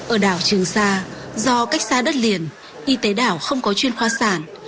ở đảo trường sa do cách xa đất liền y tế đảo không có chuyên khoa sản